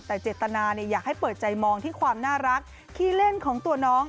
แต่เจตนาอยากให้เปิดใจมองที่ความน่ารักขี้เล่นของตัวน้อง